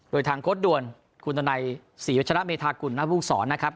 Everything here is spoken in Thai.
โดยทางโค้ดด่วนคุณตนัยศรีวัชระเมธากุลหน้าผู้สอนนะครับ